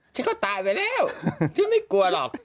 ฉันก็ตายไปแล้วฉันไม่กลัวหรอก